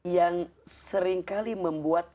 yang seringkali membuat